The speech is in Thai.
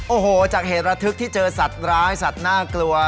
โอ้โหจากเหตุระทึกที่เจอสัตว์ร้ายสัตว์น่ากลัว